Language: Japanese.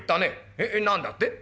えっ何だって？